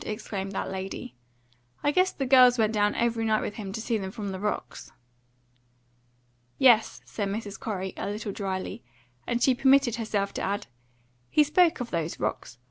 exclaimed that lady. "I guess the girls went down every night with him to see them from the rocks." "Yes," said Mrs. Corey, a little dryly; and she permitted herself to add: "He spoke of those rocks.